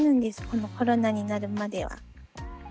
このコロナになるまでは。